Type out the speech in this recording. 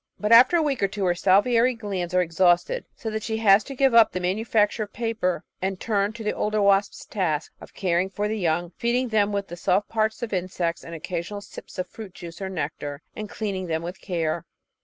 But after a week or two her salivary glands are exhausted, so that she has to give up the manufacture of paper and turn to the older wasp's task of caring for the young, feeding them with the soft parts of insects and occasional sips of fruit juice or nectar, and cleaning them with care.